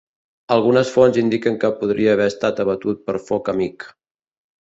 Algunes fonts indiquen que podria haver estat abatut per foc amic.